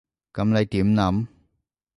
噉你點諗？